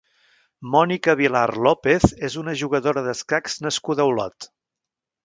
Mònica Vilar López és una jugadora d'escacs nascuda a Olot.